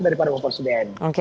dari para menteri pemuda